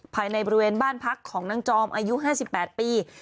ภายในบริเวณบ้านพักของนางจอมอายุ๕๘ปี